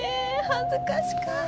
恥ずかしかぁ。